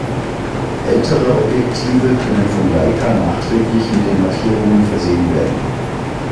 Ältere Objektive können von Leica nachträglich mit den Markierungen versehen werden.